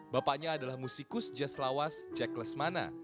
bapaknya adalah musikus jazz lawas jack lesmana